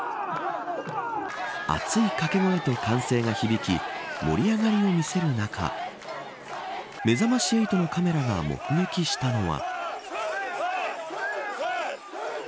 熱い掛け声と歓声が響き盛り上がりを見せる中めざまし８のカメラが目撃したのは。